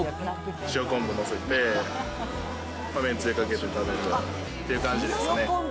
塩昆布載せて、めんつゆかけて食べるっていう感じですね。